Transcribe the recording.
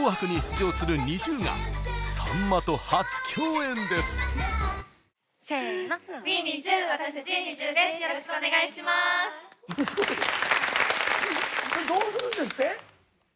どうするんですって？